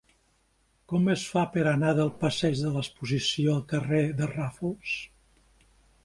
Com es fa per anar del passeig de l'Exposició al carrer de Ràfols?